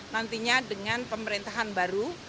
nantinya dengan pemerintahan baru